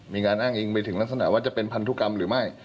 มีการอ้างอิงไปถึงลักษณะว่าจะเป็นพันธุกรรมหรือไม่